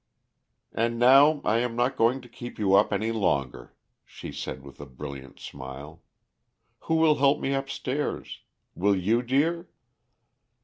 "And now I am not going to keep you up any longer," she said with a brilliant smile. "Who will help me upstairs? Will you, dear?"